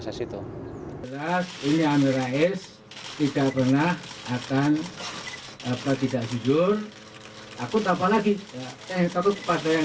di situ ini amir rais tidak pernah akan apa tidak jujur aku takut lagi yang terpaksa yang